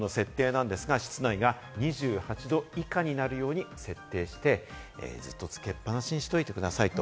温度の設定なんですが、室内が２８度以下になるように設定して、ずっとつけっぱなしにしておいてくださいと。